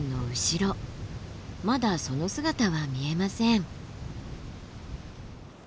まだその姿は見えません。